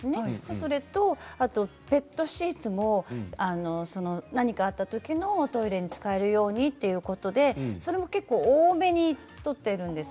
それとペットシーツも何かあったときのトイレに使えるようにということで結構、多めに取っています。